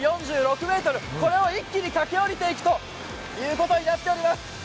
これを一気に駆け下りていくということになっています。